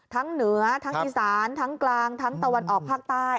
เหนือทั้งอีสานทั้งกลางทั้งตะวันออกภาคใต้